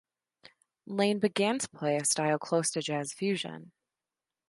Lane began to play a style close to jazz fusion.